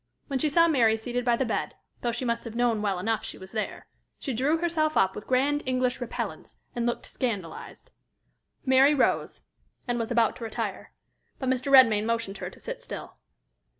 When she saw Mary seated by the bed, though she must have known well enough she was there, she drew herself up with grand English repellence, and looked scandalized. Mary rose, and was about to retire. But Mr. Redmain motioned her to sit still.